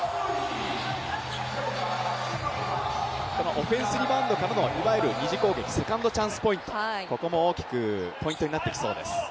オフェンスリバウンドからの２次攻撃、セカンドチャンスポイント、ここも大きくポイントになってきそうです。